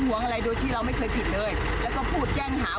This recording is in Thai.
โอ้โหปลายชายก็เกาะหน้ารถ